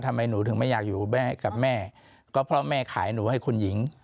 ทำไมหนูถึงไม่อยากอยู่แม่กับแม่ก็เพราะแม่ขายหนูให้คุณหญิง